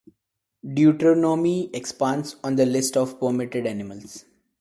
Deuteronomy expands on the list of permitted animals.